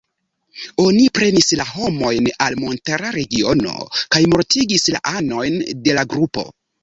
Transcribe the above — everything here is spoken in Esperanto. Oni prenis la homojn al montara regiono kaj mortigis la anojn de la grupo.